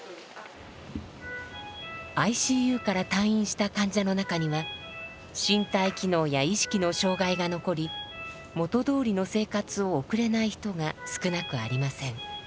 ＩＣＵから退院した患者の中には身体機能や意識の障害が残り元どおりの生活を送れない人が少なくありません。